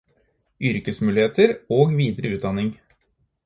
Yrkesmuligheter og videre utdanning